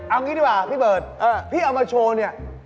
เอางี้ดีกว่าพี่เบิร์ตพี่เอามาโชว์เนี่ย